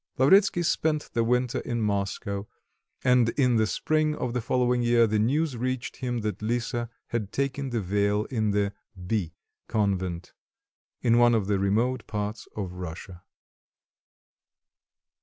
Lavretsky spent the winter in Moscow; and in the spring of the following year the news reached him that Lisa had taken the veil in the B convent, in one of the remote parts of Russia.